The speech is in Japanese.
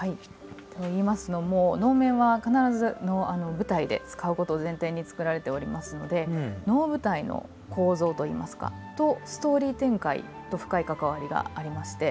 といいますのも、能面は必ず舞台で使うことを前提に作られておりますので能舞台の構造といいますかストーリー展開と深い関わりがありまして。